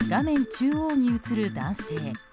中央に映る男性。